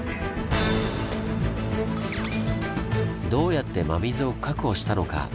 どうやって真水を確保したのか？